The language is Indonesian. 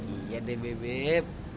iya deh bebep